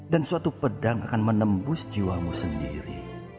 dan suatu pedang akan menembus jiwamu sendiri